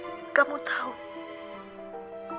mama tidak mau mencintai kamu